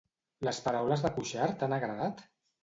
Les paraules de Cuixart han agradat?